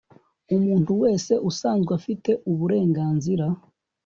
umuntu wese usanzwe afite uburenganzira